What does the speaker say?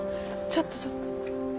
ちょっとちょっと。